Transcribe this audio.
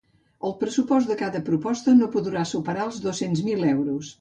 El pressupost de cada proposta no podrà superar els dos-cents mil euros.